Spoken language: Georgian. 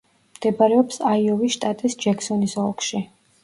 მდებარეობს აიოვის შტატის ჯექსონის ოლქში.